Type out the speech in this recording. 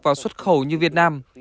vào xuất khẩu như việt nam